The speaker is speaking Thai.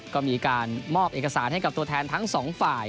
ก็มีการมอบเอกสารให้กับตัวแทนทั้งสองฝ่าย